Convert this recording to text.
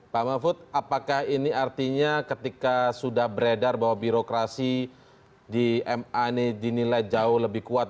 pak mahfud apakah ini artinya ketika sudah beredar bahwa birokrasi di ma ini dinilai jauh lebih kuat